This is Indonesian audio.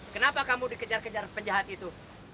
kenapa kamu dikejar kejar penjahat itu